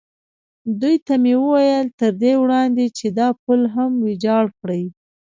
دوی ته مې وویل: تر دې وړاندې چې دا پل هم ویجاړ کړي.